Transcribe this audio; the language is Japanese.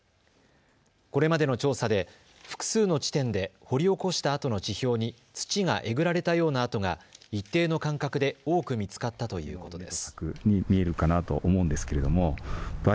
これまでの調査で複数の地点で掘り起こしたあとの地表に土がえぐられたような跡が一定の間隔で多く見つかったということです。